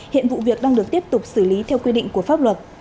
hiện vụ việc đang được tiếp tục xử lý theo quy định của pháp luật